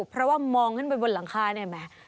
เพราะว่ามองขึ้นไปบนรังคานี่เห็นไหม